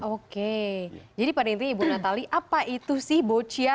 oke jadi pada intinya ibu natali apa itu sih boccia